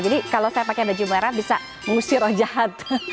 jadi kalau saya pakai baju merah bisa mengusir roh jahat